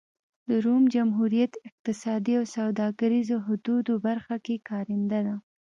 د روم جمهوریت اقتصادي او سوداګریزو حدودو برخه کې کارنده ده.